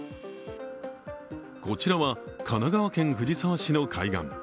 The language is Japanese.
こちらは神奈川県藤沢市の海岸。